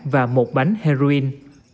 và một bánh heroin